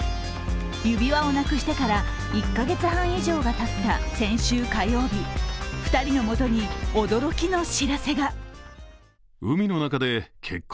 指輪をなくしてから１カ月半以上がたった先週火曜日、２人のもとに驚きの知らせが。